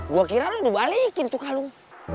gua kira lu dibalikin tuh kalung